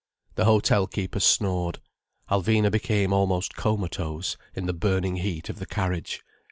The hotel keeper snored. Alvina became almost comatose, in the burning heat of the carriage.